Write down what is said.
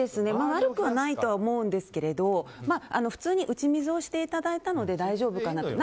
悪くはないと思うんですけど普通に打ち水をしていただいたので大丈夫かなと。